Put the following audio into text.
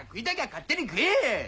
勝手に食え！